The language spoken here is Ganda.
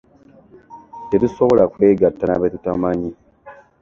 Tetusobola kwegatta na be tutamanyi